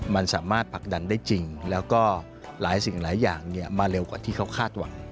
มันสามารถผลักดันได้จริงแล้วก็หลายสิ่งหลายอย่างมาเร็วกว่าที่เขาคาดหวัง